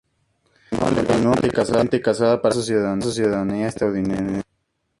Continuó legalmente casada para conservar su ciudadanía estadounidense.